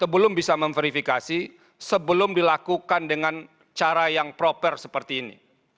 belum bisa memverifikasi sebelum dilakukan dengan cara yang proper seperti ini